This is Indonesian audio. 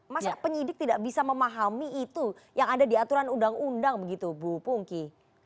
masa penyidik tidak bisa memahami itu yang ada di aturan undang undang begitu bu pungki